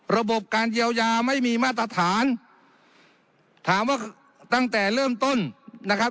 ระบบการเยียวยาไม่มีมาตรฐานถามว่าตั้งแต่เริ่มต้นนะครับ